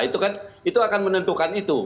itu akan menentukan itu